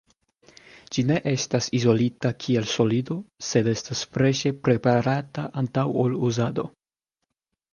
Ĝi ne estas izolita kiel solido, sed estas freŝe preparata antaŭ ol uzado.